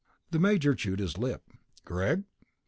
The major chewed his lip. "Greg?"